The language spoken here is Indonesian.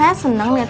ya udah mas